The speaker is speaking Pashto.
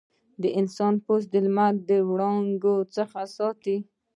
د انسان پوست د لمر د وړانګو څخه ساتي.